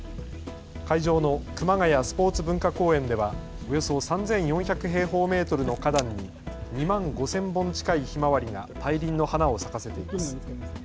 会場の熊谷スポーツ文化公園ではおよそ３４００平方メートルの花壇に２万５０００本近いひまわりが大輪の花を咲かせています。